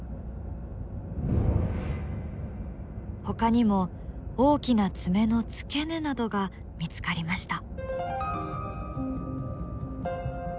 ほかにも大きな爪の付け根などが見つかりました。